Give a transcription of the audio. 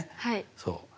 そう。